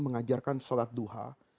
mengajarkan sholat duha